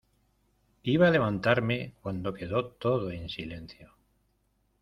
iba a levantarme cuando quedó todo en silencio.